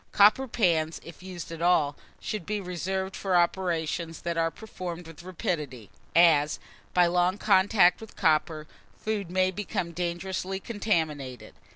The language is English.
Copper pans, if used at all, should be reserved for operations that are performed with rapidity; as, by long contact with copper, food may become dangerously contaminated.